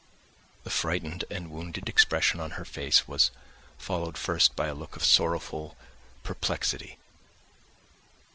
The frightened and wounded expression on her face was followed first by a look of sorrowful perplexity.